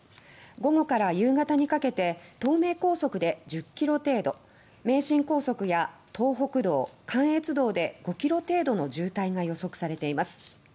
午後から夕方にかけて東名高速で１０ｋｍ程度名神高速や東北道関越道で５ｋｍ程度の渋滞が予測されています。